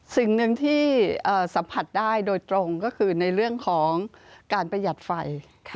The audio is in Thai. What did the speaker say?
สิ่งหนึ่งที่สัมผัสได้โดยตรงก็คือในเรื่องของการประหยัดไฟ